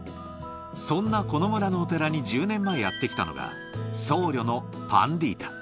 そんなこの村のお寺に１０年前やって来たのが、僧侶のパンディータ。